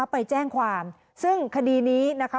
ไปแจ้งความซึ่งคดีนี้นะคะ